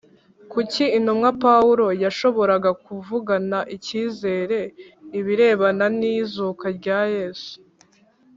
Kuki intumwa pawulo yashoboraga kuvugana icyizere ibirebana n izuka rya yesu